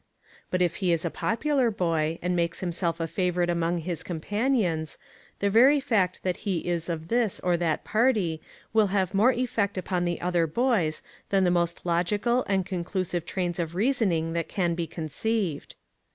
But if he is a popular boy, and makes himself a favorite among his companions, the very fact that he is of this or that party will have more effect upon the other boys than the most logical and conclusive trains of reasoning that can be conceived.